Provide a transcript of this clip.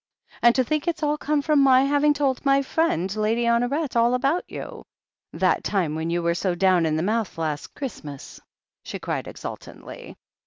"And to think it's all come from my having told my friend Lady Honoret all about you, that time when you were so down in the mouth last Christmas !" she cried exultantly.